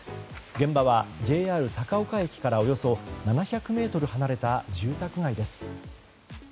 現場はＪＲ高岡駅からおよそ７００ｍ離れた住宅街です。